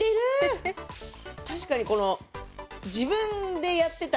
確かにこの。